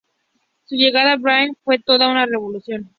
Su llegada a Baywatch fue toda una revolución.